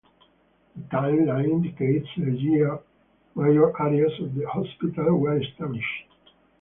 The timeline indicates the year major areas of the hospital were established.